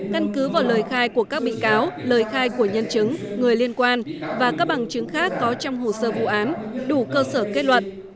căn cứ vào lời khai của các bị cáo lời khai của nhân chứng người liên quan và các bằng chứng khác có trong hồ sơ vụ án đủ cơ sở kết luận